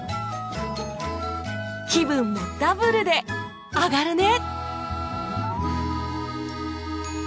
気分もダブルで上がるね！